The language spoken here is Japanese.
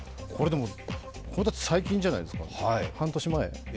これ、最近じゃないですか半年前？